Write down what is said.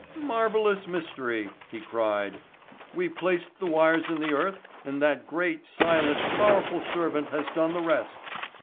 "Marvellous mystery," he cried. "We placed the wires in the earth and that great, silent, powerful servant has done the rest.